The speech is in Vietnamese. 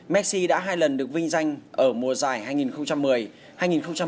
messi đã hai lần được vinh danh